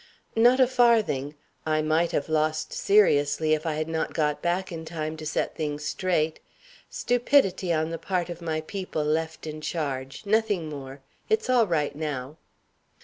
"Not a farthing. I might have lost seriously, if I had not got back in time to set things straight. Stupidity on the part of my people left in charge nothing more. It's all right now."